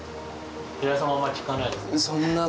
平井さんもあまり聞かないです？